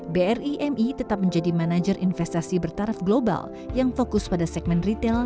bri mi tetap menjadi manajer investasi bertaraf global yang fokus pada segmen retail